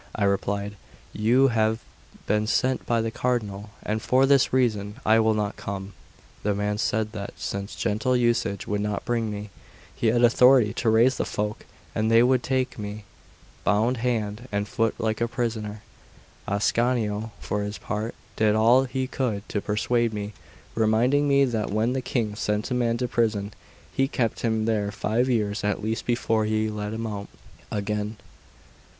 I replied: "You have been sent by the Cardinal, and for this reason I will not come." The man said that since gentle usage would not bring me, he had authority to raise the folk, and they would take me bound hand and foot like a prisoner. Ascanio, for his part, did all he could to persuade me, reminding me that when the King sent a man to prison, he kept him there five years at least before he let him out again.